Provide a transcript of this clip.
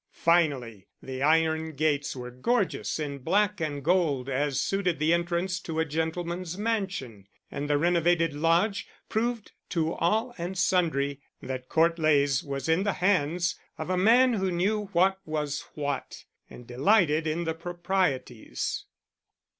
Finally the iron gates were gorgeous in black and gold as suited the entrance to a gentleman's mansion, and the renovated lodge proved to all and sundry that Court Leys was in the hands of a man who knew what was what, and delighted in the proprieties.